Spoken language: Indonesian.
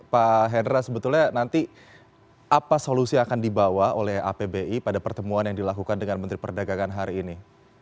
pak hendra sebetulnya nanti apa solusi yang akan dibawa oleh apbi pada pertemuan yang dilakukan dengan menteri perdagangan hari ini